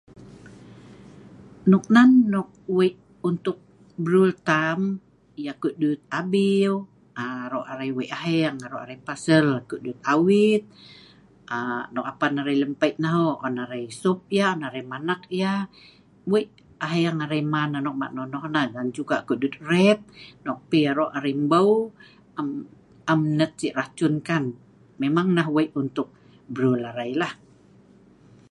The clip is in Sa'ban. Noknen nok wei untuk(wan brul tam, yah kokdut abiu nok aro arai wei aheng, aro arai pasel. Lem ayo' ret nok an arai mbeu , am hnet si racun kan memang nah wei untuk(wan) brul arai